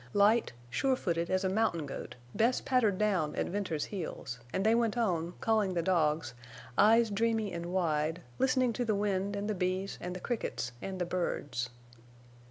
Light, sure footed as a mountain goat, Bess pattered down at Venters's heels; and they went on, calling the dogs, eyes dreamy and wide, listening to the wind and the bees and the crickets and the birds.